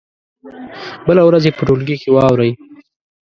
بله ورځ یې په ټولګي کې واوروئ.